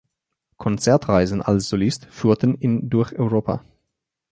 Konzertreisen als Solist führten ihn durch Europa.